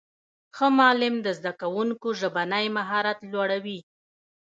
ښه معلم د زدهکوونکو ژبنی مهارت لوړوي.